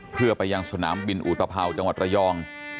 เพื่อไปยังสนามบินอุตภาวจังหวัดระยอง